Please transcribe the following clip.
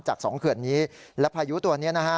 จากสองเขื่อนนี้และพายุตัวนี้นะฮะ